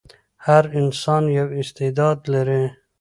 هر انسان یو استعداد لري.